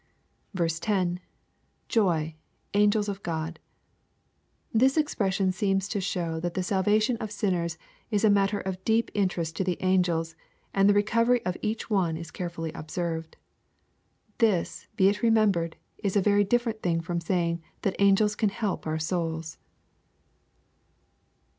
10. — [Joy..,angel8 of God.] This expression seems to show that the salvation of sinners is a matter of deep interest to the angels, and the recovery of each one carefully observed. This, be it remem bered, is a very different thing from saying that angels can help our souls.